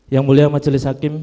yang mulia majelis hakim